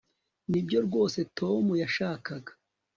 nibyo rwose tom yashakaga